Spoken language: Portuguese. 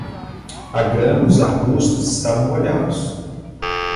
A grama e os arbustos estavam molhados.